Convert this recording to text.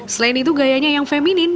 selain itu gayanya yang feminin